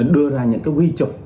đưa ra những quy trục